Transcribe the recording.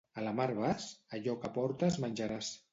A la mar vas? Allò que portes menjaràs.